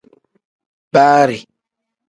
Baari.